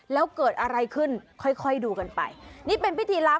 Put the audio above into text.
แล้วเกิดอะไรขึ้นค่อยดูกันไป